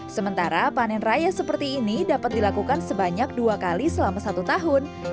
sementara panen raya seperti ini dapat dilakukan sebanyak dua kali selama satu tahun